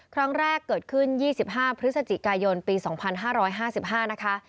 ครั้งแรกเกิดขึ้น๒๕พฤศจิกายนปี๒๕๕๕นะคะ